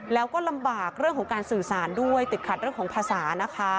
แล้วก็ลำบากเรื่องของการสื่อสารด้วยติดขัดเรื่องของภาษานะคะ